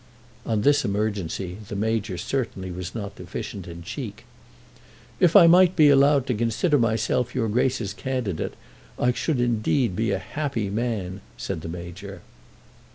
On this emergency the Major certainly was not deficient in cheek. "If I might be allowed to consider myself your Grace's candidate, I should indeed be a happy man," said the Major.